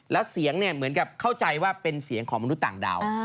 แล้วเสียงเนี่ยเหมือนกับเข้าใจว่าเป็นเสียงของมนุษย์ต่างดาว